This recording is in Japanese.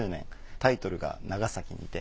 タイトルが『長崎にて』。